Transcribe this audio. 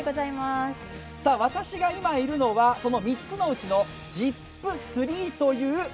私が今いるのは、この３つのうちのＺＩＰ３です。